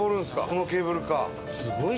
このケーブルカー。